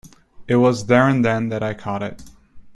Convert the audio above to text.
It was there-and-then that I caught it.